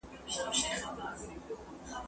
زه به مځکي ته کتلې وي!؟